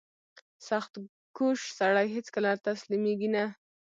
• سختکوش سړی هیڅکله تسلیمېږي نه.